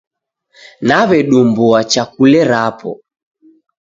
Naw'edumbua chakule rapo.